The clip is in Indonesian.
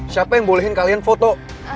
siapa yang bolehin kalian foto